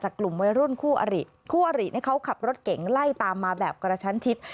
กลุ่มวัยรุ่นคู่อริคู่อรินี่เขาขับรถเก่งไล่ตามมาแบบกระชั้นชิด